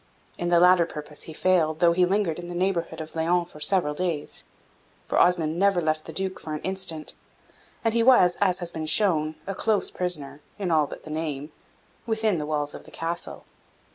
In the latter purpose he failed, though he lingered in the neighbourhood of Laon for several days; for Osmond never left the Duke for an instant, and he was, as has been shown, a close prisoner, in all but the name, within the walls of the Castle.